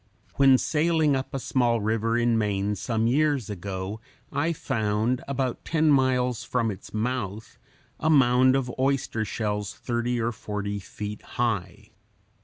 When sailing up a small river in Maine some years ago, I found, about ten miles from its mouth, a mound of oyster shells thirty or forty feet high.